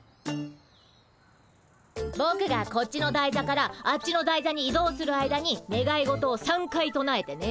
ぼくがこっちの台座からあっちの台座に移動する間にねがい事を３回となえてね。